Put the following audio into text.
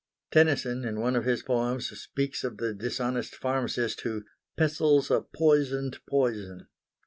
Tennyson, in one of his poems, speaks of the dishonest pharmacist who "pestles a poison'd poison."